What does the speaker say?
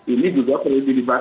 ini juga perlu dibahas